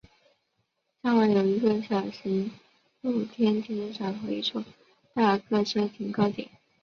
站外有一个小型露天停车场和一处大客车停靠点。